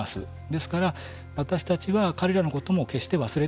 ですから私たちは彼らのことも決して忘れてはいけない。